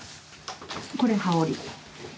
これ羽織。